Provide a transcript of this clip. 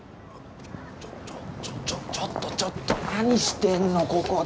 ちょっちょっとちょっと何してんのここで。